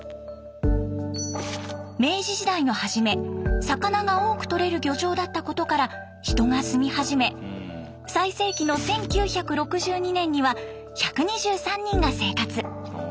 明治時代の初め魚が多く取れる漁場だったことから人が住み始め最盛期の１９６２年には１２３人が生活。